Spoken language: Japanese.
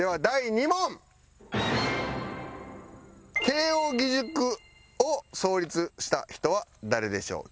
慶應義塾を創立した人は誰でしょう？